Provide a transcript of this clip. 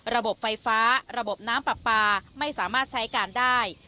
ระบบไฟฟ้าระบบน้ำปลาปลาไม่สามารถใช้การได้